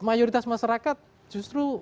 mayoritas masyarakat justru tidak berpikir